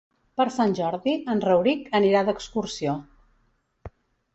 Per Sant Jordi en Rauric anirà d'excursió.